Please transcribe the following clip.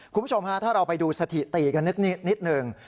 คุณผู้ชมฮะถ้าเราไปดูสถิติกันนิดหนึ่ง